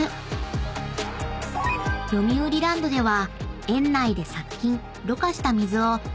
［よみうりランドでは］